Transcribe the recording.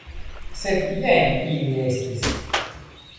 Sed jen ili estis!